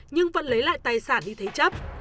nhưng vẫn lấy lại tài sản đi thế chấp